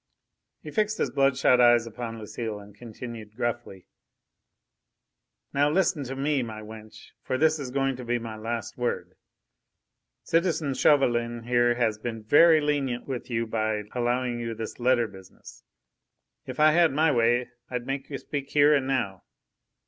He fixed his blood shot eyes upon Lucile and continued gruffly: "Now listen to me, my wench, for this is going to be my last word. Citizen Chauvelin here has already been very lenient with you by allowing this letter business. If I had my way I'd make you speak here and now.